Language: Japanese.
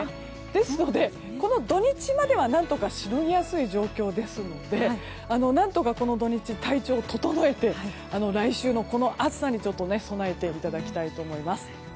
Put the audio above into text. ですので、この土日までは何とかしのぎやすい状況ですので何とかこの土日に体調を整えて来週の暑さに備えていただきたいと思います。